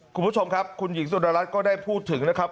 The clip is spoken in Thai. คุณผู้ชมครับคุณหญิงสุดารัฐก็ได้พูดถึงนะครับ